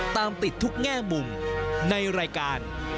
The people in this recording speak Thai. ตามติดทุกแง่มุมในรายการ